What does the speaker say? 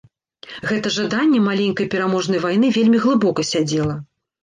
Гэта жаданне маленькай пераможнай вайны вельмі глыбока сядзела.